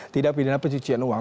tidak pidana pencucian uang